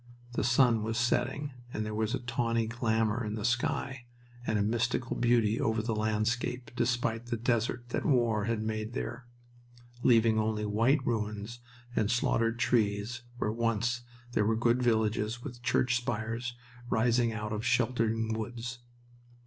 The sun was setting and there was a tawny glamour in the sky, and a mystical beauty over the landscape despite the desert that war had made there, leaving only white ruins and slaughtered trees where once there were good villages with church spires rising out of sheltering woods.